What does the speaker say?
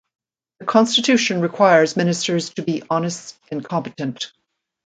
The constitution requires ministers to be "honest and competent".